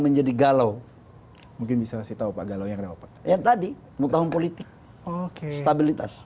menjadi galau mungkin bisa kasih tahu pak galau yang tadi mutahun politik stabilitas